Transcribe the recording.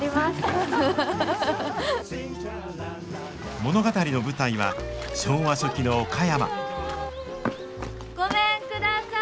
物語の舞台は昭和初期の岡山ごめんください。